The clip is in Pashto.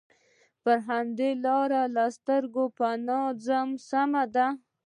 پر همدې لاره له سترګو پناه ځم، سمه ده.